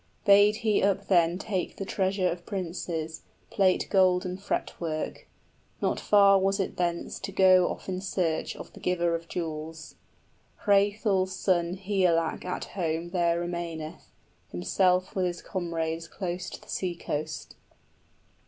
Bade he up then take the treasure of princes, Plate gold and fretwork; not far was it thence To go off in search of the giver of jewels: Hrethel's son Higelac at home there remaineth, 35 Himself with his comrades close to the sea coast.